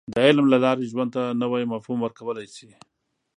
• د علم له لارې، ژوند ته نوی مفهوم ورکولی شې.